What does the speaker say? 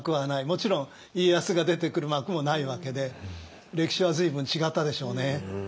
もちろん家康が出てくる幕もないわけで歴史は随分違ったでしょうね。